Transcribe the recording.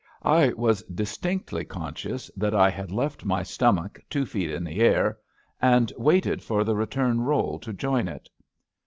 I was distinctly conscious that I had left my stomach two feet in the air, and waited for the return roll to join it.